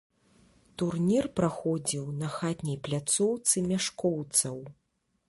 Турнір праходзіў на хатняй пляцоўцы мяшкоўцаў.